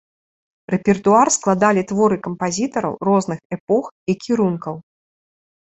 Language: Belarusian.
Рэпертуар складалі творы кампазітараў розных эпох і кірункаў.